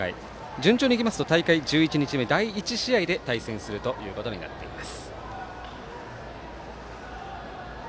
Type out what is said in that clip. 順調に行きますと大会１１日目第１試合で対戦するということになっています。